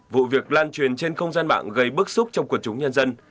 vụ việc lan truyền trên không gian mạng gây bức xúc trong quần chúng nhân dân